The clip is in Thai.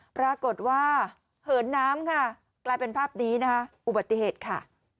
ปรากฏว่าเหินน้ำค่ะกลายเป็นภาพนี้นะคะอุบัติเหตุค่ะ